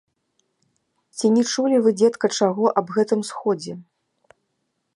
Ці не чулі вы, дзедка, чаго аб гэтым сходзе?